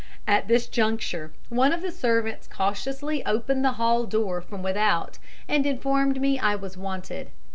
At this juncture one of the servants cautiously opened the hall door from without, and informed me I was wanted.